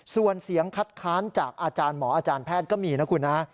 ส่วนเสียงคัดค้านจากอาจารย์หมออาจารย์แพทย์ก็มีนะคุณนะ